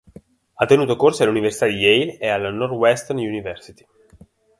Ha tenuto corsi all'Università Yale e alla Northwestern University.